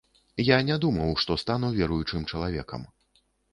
Я не думаў, што стану веруючым чалавекам.